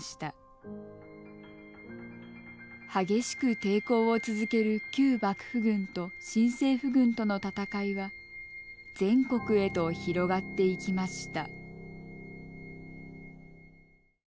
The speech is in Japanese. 激しく抵抗を続ける旧幕府軍と新政府軍との戦いは全国へと広がっていきました。